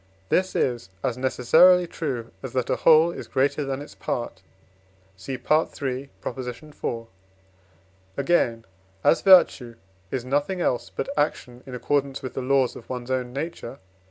This is as necessarily true, as that a whole is greater than its part. (Cf. III. iv.) Again, as virtue is nothing else but action in accordance with the laws of one's own nature (IV.